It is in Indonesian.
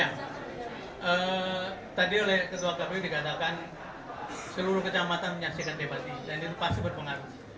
ya tadi oleh ketua kpu dikatakan seluruh kecamatan menyaksikan debat ini dan itu pasti berpengaruh